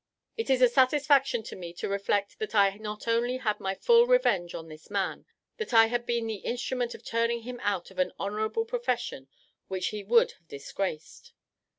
It is a satisfaction to me to reflect that I not only had my full revenge on this man, but that I had been the instrument of turning him out of an honourable profession which he would have disgraced.